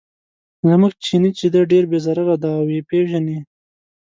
زموږ چیني چې دی ډېر بې ضرره دی او یې پیژني.